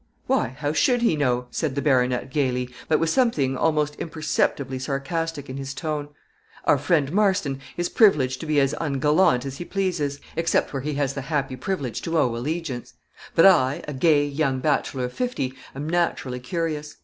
"Why! how should he know," said the baronet, gaily, but with something almost imperceptibly sarcastic in his tone. "Our friend, Marston, is privileged to be as ungallant as he pleases, except where he has the happy privilege to owe allegiance; but I, a gay young bachelor of fifty, am naturally curious.